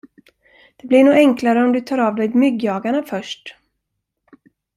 Det blir nog enklare om du tar av dig myggjagarna, först.